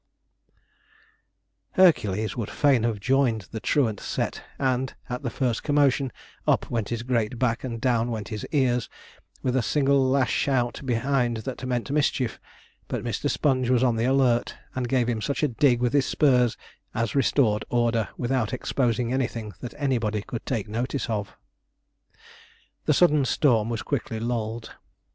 Hercules would fain have joined the truant set, and, at the first commotion, up went his great back, and down went his ears, with a single lash out behind that meant mischief, but Mr. Sponge was on the alert, and just gave him such a dig with his spurs as restored order, without exposing anything that anybody could take notice of. The sudden storm was quickly lulled.